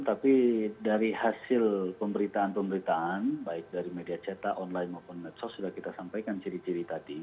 tapi dari hasil pemberitaan pemberitaan baik dari media cetak online maupun medsos sudah kita sampaikan ciri ciri tadi